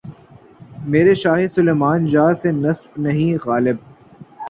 میرے شاہِ سلیماں جاہ سے نسبت نہیں‘ غالبؔ!